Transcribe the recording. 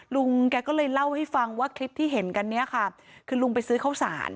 ลุงแกก็เลยเล่าให้ฟังว่าคลิปที่เห็นกันเนี่ยค่ะคือลุงไปซื้อข้าวสาร